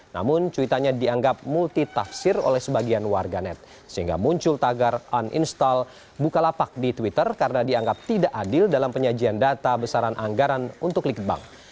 namun cuitannya dianggap multitafsir oleh sebagian warganet sehingga muncul tagar uninstall bukalapak di twitter karena dianggap tidak adil dalam penyajian data besaran anggaran untuk likbang